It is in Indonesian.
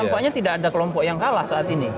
rupanya tidak ada kelompok yang kalah saat ini